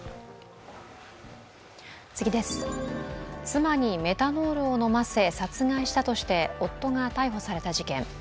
妻にメタノールを飲ませ、殺害したとして夫が逮捕された事件。